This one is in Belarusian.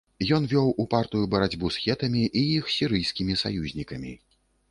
Ён вёў упартую барацьбу з хетамі і іх сірыйскімі саюзнікамі.